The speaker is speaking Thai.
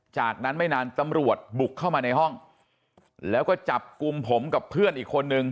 จากนั้นไม่นานตำรวจบุกเข้ามาในห้องแล้วก็จับกลุ่มผมกับเพื่อนอีกคนนึง